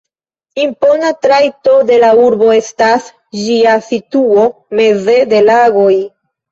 Impona trajto de la urbo estas ĝia situo meze de lagoj.